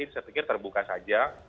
saya pikir terbuka saja